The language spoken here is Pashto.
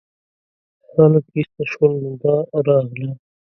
خلک ایسته شول نو دا راغله.